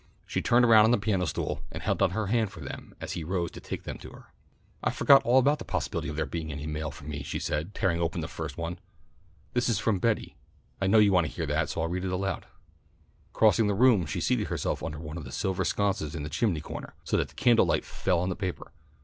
She turned around on the piano stool and held out her hand for them as he rose to take them to her. "I forgot all about the possibility of there being any mail for me," she said, tearing open the first one. "This is from Betty. I know you want to hear that, so I'll read it aloud." Crossing the room she seated herself under one of the silver sconces in the chimney corner, so that the candlelight fell on the paper.